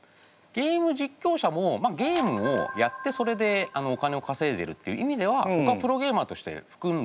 ゲーム実況者もゲームをやってそれでお金を稼いでるっていう意味ではぼくはプロゲーマーとしてふくんでいいんじゃないかなと思いますね。